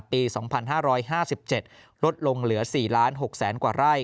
ปี๒๕๕๗ลดลงเหลือ๔๖๐๐๐กว่าไร่